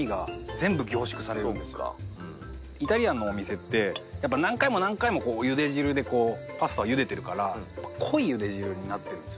イタリアンのお店って何回も何回もゆで汁でパスタをゆでてるから濃いゆで汁になってるんですよね。